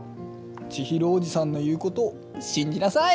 千尋叔父さんの言うことを信じなさい！